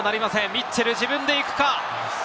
ミッチェル自分で行くか。